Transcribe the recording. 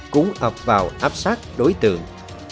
cũng ập vào áp sát đối tượng